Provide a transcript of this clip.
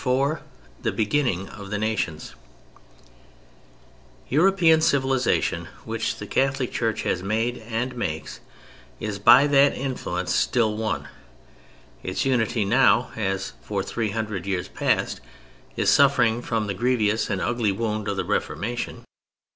IV THE BEGINNING OF THE NATIONS European civilization, which the Catholic Church has made and makes, is by that influence still one. Its unity now (as for three hundred years past) is suffering from the grievous and ugly wound of the Reformation.